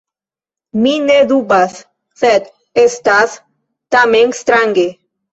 Mi ne dubas, sed estas tamen strange.